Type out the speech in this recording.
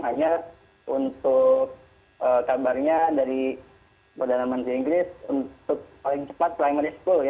hanya untuk kabarnya dari perdana menteri inggris untuk paling cepat primary school ya